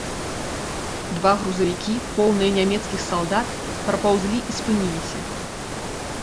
Два грузавікі, поўныя нямецкіх салдат, прапаўзлі і спыніліся.